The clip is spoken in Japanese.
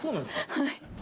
はい。